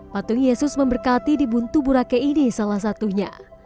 patung yesus memberkati di buntu burake ini salah satunya